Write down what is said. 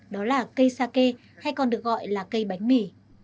đó là cây sake hay còn được gọi là cây bánh mì